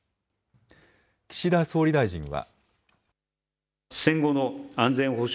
岸田総理大臣は。